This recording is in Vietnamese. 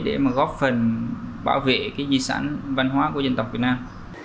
để góp phần bảo vệ di sản văn hóa của dân tộc việt nam